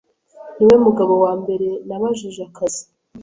Niwe mugabo wa mbere nabajije akazi.